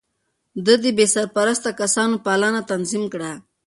ده د بې سرپرسته کسانو پالنه تنظيم کړه.